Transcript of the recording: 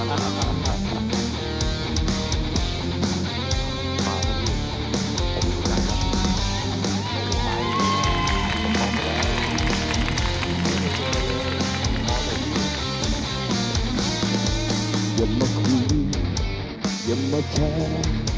อย่ามาคุยอย่ามาแชร์